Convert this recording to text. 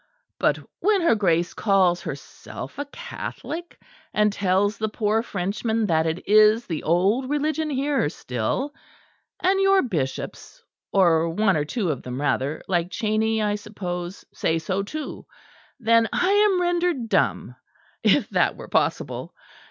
But when her Grace calls herself a Catholic, and tells the poor Frenchmen that it is the old religion here still: and your bishops, or one or two of them rather, like Cheyney, I suppose, say so too then I am rendered dumb (if that were possible).